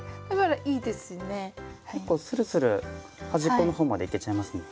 結構するする端っこの方までいけちゃいますね。